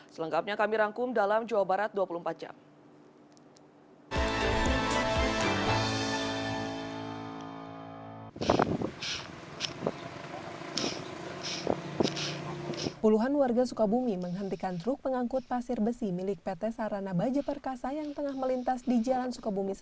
selengkapnya kami rangkum dalam jawa barat dua puluh empat jam